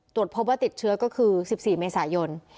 ตรวจพบว่าติดเชื้อก็คือ๑๔เมษายน